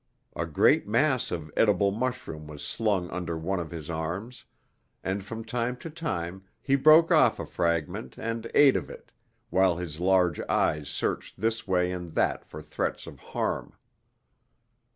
A great mass of edible mushroom was slung under one of his arms, and from time to time he broke off a fragment and ate of it, while his large eyes searched this way and that for threats of harm.